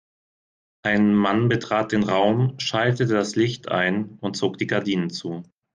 Ein Mann betrat den Raum, schaltete das Licht ein und zog die Gardinen zu.